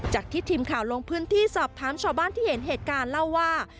ที่ทีมข่าวลงพื้นที่สอบถามชาวบ้านที่เห็นเหตุการณ์เล่าว่า